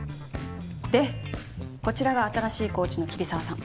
でこちらが新しいコーチの桐沢さん。